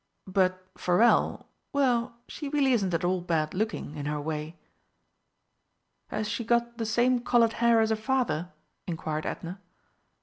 "But Forelle well, she really isn't at all bad looking in her way." "Has she got the same coloured hair as her father?" inquired Edna.